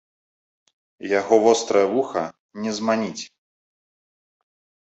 Яго вострае вуха не зманіць.